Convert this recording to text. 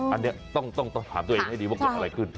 อันนี้ต้องถามตัวเองให้ดีว่าเกิดอะไรขึ้น